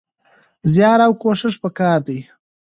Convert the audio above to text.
زيار او کوښښ پکار دی.